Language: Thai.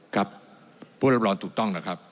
ครับผู้รับรองถูกต้องนะครับ